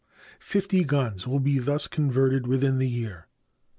Fifty guns will be thus converted within the year.